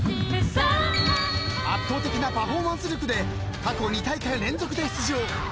［圧倒的なパフォーマンス力で過去２大会連続で出場］